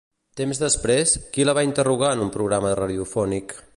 Temps després, qui la va interrogar en un programa radiofònic?